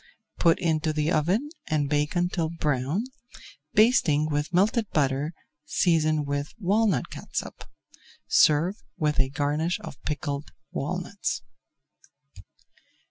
Put into the oven and bake until brown, basting with melted butter seasoned [Page 335] with walnut catsup. Serve with a garnish of pickled walnuts.